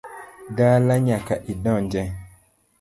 Dala nyaka idonje